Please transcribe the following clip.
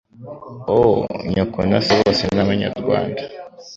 Oh nyoko na so bose nabanyarwanda